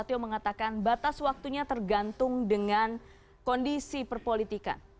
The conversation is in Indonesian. setio mengatakan batas waktunya tergantung dengan kondisi perpolitikan